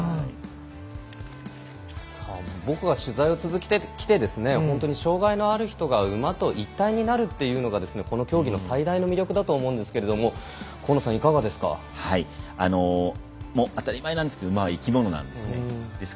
僕が取材を続けてきてですね障がいのある方が馬と一体になるというのがこの競技の最大の魅力だと思うんですけれど当たり前ですが馬は生き物なんですね。